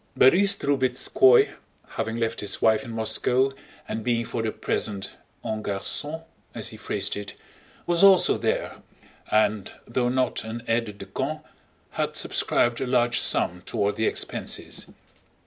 Borís Drubetskóy, having left his wife in Moscow and being for the present en garçon (as he phrased it), was also there and, though not an aide de camp, had subscribed a large sum toward the expenses.